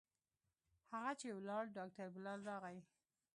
هغه چې ولاړ ډاکتر بلال راغى.